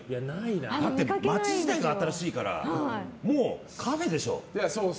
だって街自体が新しいからもうカフェでしょ。